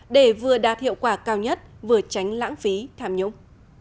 để vừa đạt hiệu quả cao nhất vừa tránh lãng phí tham nhũng